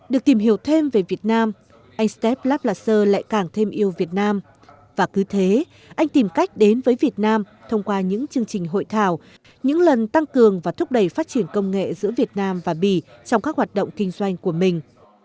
được tìm hiểu thêm về việt nam anh step lablaser lại càng thêm yêu việt nam và cứ thế anh tìm cách đến với việt nam thông qua những chương trình hội thảo những lần tăng cường và thúc đẩy phát triển công nghệ giữa việt nam và bỉ trong các hoạt động kinh doanh của mình